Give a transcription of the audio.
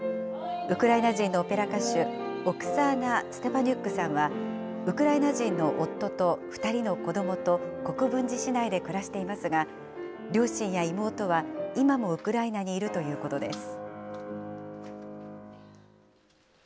ウクライナ人のオペラ歌手、オクサーナ・ステパニュックさんは、ウクライナ人の夫と２人の子どもと国分寺市内で暮らしていますが、両親や妹は今もウクライナにいるということです。